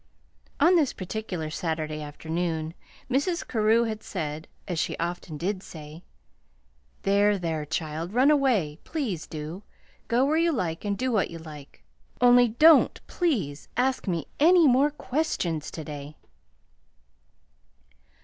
On this particular Saturday afternoon Mrs. Carew had said, as she often did say: "There, there, child, run away; please do. Go where you like and do what you like, only don't, please, ask me any more questions to day!"